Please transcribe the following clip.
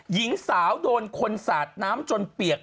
หญิงสาวโดนคนสาดน้ำจนเปียก